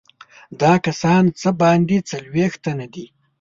دا کسان څه باندې څلوېښت تنه دي.